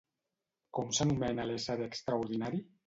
Com s'anomena l'ésser extraordinari?